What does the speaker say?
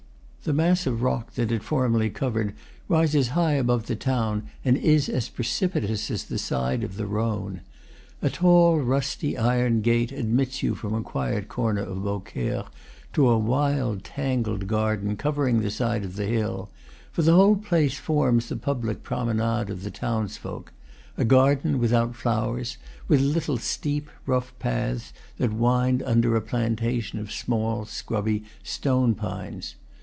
The mass of rock that it formerly covered rises high above the town, and is as precipitous as the side of the Rhone. A tall rusty iron gate admits you from a quiet corner of Beaucaire to a wild tangled garden, covering the side of the hill, for the whole place forms the public promenade of the townsfolk, a garden without flowers, with little steep, rough paths that wind under a plantation of small, scrubby stone pines.